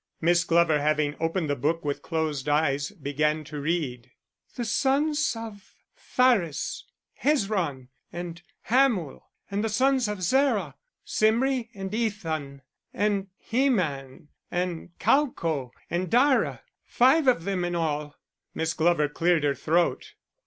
Miss Glover, having opened the book with closed eyes, began to read: "_The sons of Pharez! Hezron, and Hamul. And the sons of Zerah; Zimri, and Ethan, and Heman, and Calcol, and Dara; five of them in all_." Miss Glover cleared her throat.